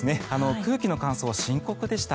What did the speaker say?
空気の乾燥は深刻でした。